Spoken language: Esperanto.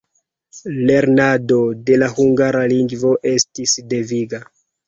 Lernado de la hungara lingvo estis deviga.